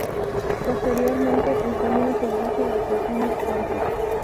Posteriormente el camino se dirige hacia Pinos Puente.